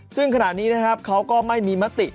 ซึ่งขณะนี้นะครับเขาก็ไม่มีมติ